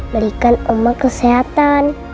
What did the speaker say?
berikan oma kesehatan